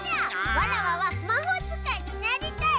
わらわはまほうつかいになりたい！